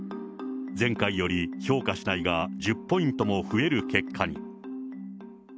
前回より評価しないが１０ポイントも増える結果に。